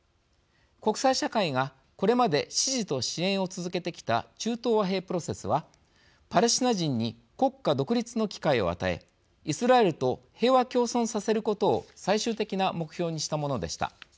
国際社会がこれまで支持と支援を続けてきた中東和平プロセスはパレスチナ人に国家独立の機会を与えイスラエルと平和共存させることを最終的な目標にしたものでした。